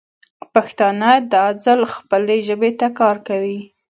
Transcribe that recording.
پښتانه دا ځل خپلې ژبې ته کار کوي.